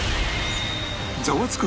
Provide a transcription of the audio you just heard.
ザワつく！